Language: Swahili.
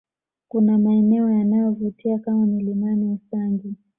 Kuna maeneo yanayovutia kama milimani Usangi